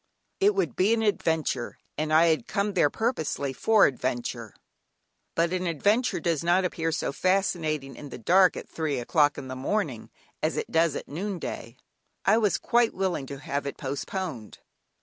It would be an adventure, and I had come there purposely for adventure, but an adventure does not appear so fascinating in the dark at three o'clock in the morning, as it does at noonday. I was quite willing to have it postponed.